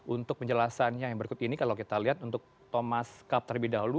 untuk penjelasannya yang berikut ini kalau kita lihat untuk thomas cup terlebih dahulu